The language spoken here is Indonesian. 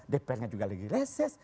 dpr nya juga lagi reses